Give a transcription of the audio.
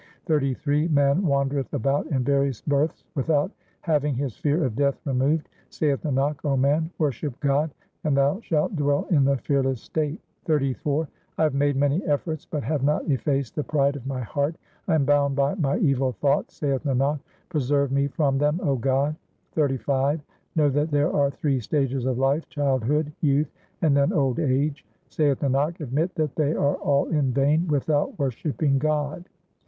XXXIII Man wandereth about in various births without having his fear of death removed ; Saith Nanak, 0 man, worship God, and thou shalt dwell in the fearless state. XXXIV I have made many efforts, but have not effaced the pride of my heart ; I am bound by my evil thoughts, saith Nanak ; preserve me from them, O God. XXXV Know that there are three stages of life, childhood, youth, and then old age ; Saith Nanak, admit that they are all in vain without worshipping God.